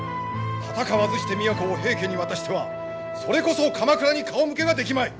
戦わずして都を平家に渡してはそれこそ鎌倉に顔向けができまい。